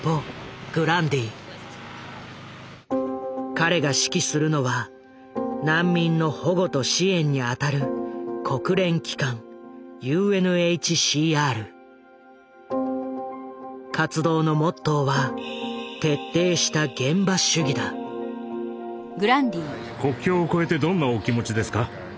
彼が指揮するのは難民の保護と支援に当たる国連機関活動のモットーは徹底した国境を越えてどんなお気持ちですか。